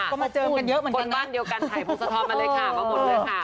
กดบ้านเดียวกันไถพุทธธอมมาเลยค่ะ